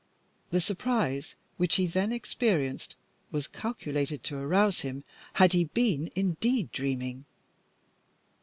The surprise which he then experienced was calculated to arouse him had he been indeed dreaming.